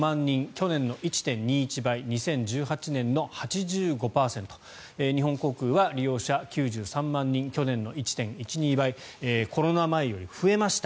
去年の１．２１倍２０１８年の８５％日本航空は利用者９３万人去年の１．１２倍コロナ前より増えました。